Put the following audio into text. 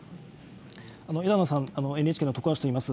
枝野さん、ＮＨＫの徳橋といいます。